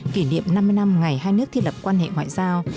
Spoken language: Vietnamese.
kỷ niệm năm mươi năm ngày hai nước thiết lập quan hệ ngoại giao